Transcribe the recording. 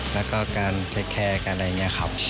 แล้วก็การเทคแคร์กันอะไรอย่างนี้ครับ